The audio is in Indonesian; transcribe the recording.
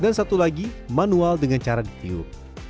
dan satu lagi manual dengan cara di tiup